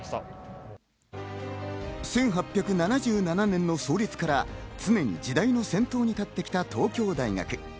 １８７７年の創立から常に時代の先頭に立ってきた東京大学。